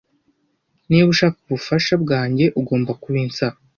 Niba ushaka ubufasha bwanjye, ugomba kubisaba.